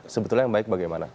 sebetulnya yang baik bagaimana